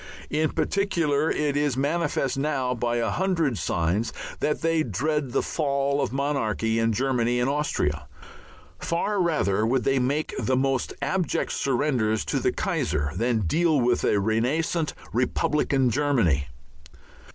In particular it is manifest now by a hundred signs that they dread the fall of monarchy in Germany and Austria. Far rather would they make the most abject surrenders to the Kaiser than deal with a renascent Republican Germany.